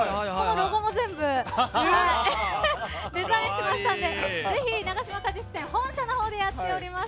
ロゴも全部デザインしましたのでぜひ、永島果実店本社の方でやっております。